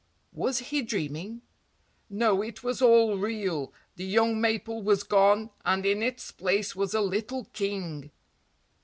Was he dreaming? No, it was all real, the young maple was gone and in its place was a little king!